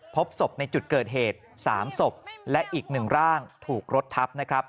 พบศพในจุดเกิดเหตุ๓ศพและอีก๑ร่างถูกรถทับนะครับ